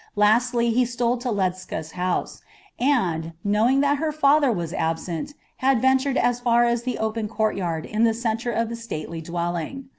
Lastly, he stole to Ledscha's home, and, knowing that her father was absent, had ventured as far as the open courtyard in the centre of the stately dwelling.